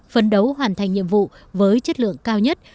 phấn đấu hoàn thành nhiệm vụ với chất lượng cao nhất